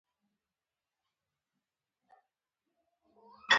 اوښ د افغانستان د پوهنې نصاب کې شامل دي.